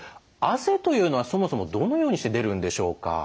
汗というのはそもそもどのようにして出るんでしょうか？